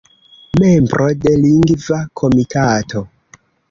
Membro de Lingva Komitato.